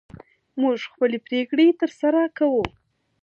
موږ خپلې پرېکړې تر سره کوو.